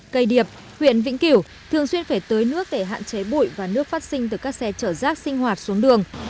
cây điệp huyện vĩnh kiểu thường xuyên phải tới nước để hạn chế bụi và nước phát sinh từ các xe chở rác sinh hoạt xuống đường